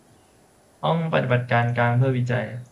ห้องปฏิบัติการกลางเพื่อการวิจัย